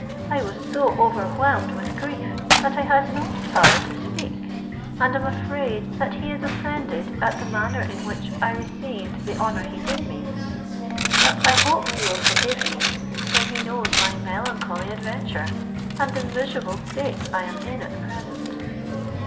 I was so overwhelmed with grief, that I had not power to speak, and am afraid that he is offended at the manner in which I received the honour he did me; but I hope he will forgive me, when he knows my melancholy adventure, and the miserable state I am in at present."